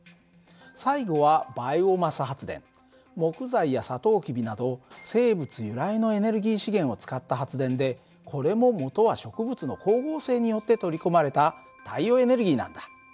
最後は木材やサトウキビなど生物由来のエネルギー資源を使った発電でこれももとは植物の光合成によって取り込まれた太陽エネルギーなんだ。